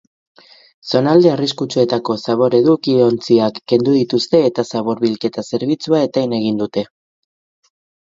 Zonalde arriskutsuetako zabor edukiontziak kendu dituzte eta zabor bilketa zerbitzua eten egin dute.